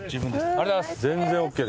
ありがとうございます。